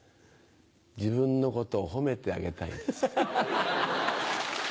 自分のことを褒めてあげたいです。